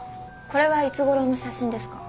これはいつごろの写真ですか？